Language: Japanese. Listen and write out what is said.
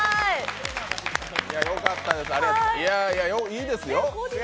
いいですよ。